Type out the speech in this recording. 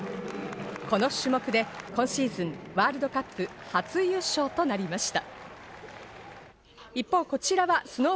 この種目で今シーズン、ワールドカップ初優勝となりました。